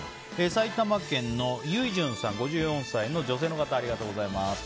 埼玉県、５４歳の女性の方ありがとうございます。